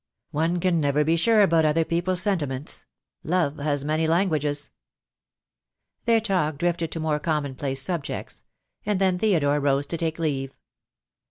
"One can never be sure about other people's senti ments. Love has many languages." Their talk drifted to more common place subjects. And then Theodore rose to take leave.